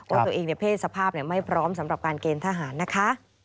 ว่าตัวเองในเพศสภาพไม่พร้อมสำหรับการเกณฑ์ทหารนะคะ